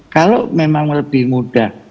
kalau memang lebih mudah